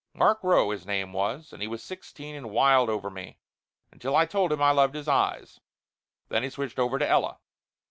Mark Rowe, his name was, and he was sixteen and wild over me, until I told him I loved his eyes. Then he switched over to Ella.